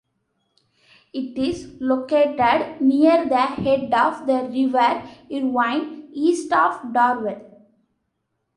It is located near the head of the River Irvine, east of Darvel.